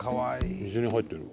水に入ってる。